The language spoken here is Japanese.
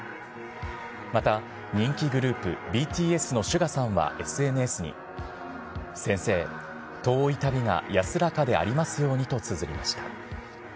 また人気グループ、ＢＴＳのシュガさんはＳＮＳに、先生、遠い旅が安らかでありますようにとつづりました。